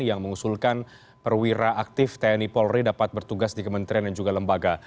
yang mengusulkan perwira aktif tni polri dapat bertugas di kementerian dan juga lembaga